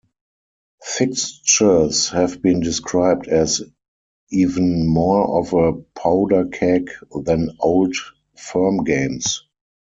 Fixtures have been described as "even more of a powderkeg than Old Firm games".